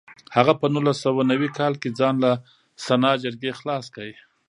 هغه په نولس سوه نوي کال کې ځان له سنا جرګې خلاص کړ.